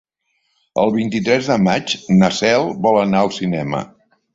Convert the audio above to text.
El vint-i-tres de maig na Cel vol anar al cinema.